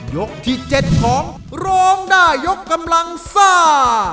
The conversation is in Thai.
ยกที่๗ของร้องได้ยกกำลังซ่า